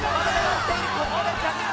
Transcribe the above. ここで着水